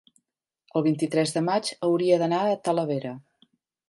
el vint-i-tres de maig hauria d'anar a Talavera.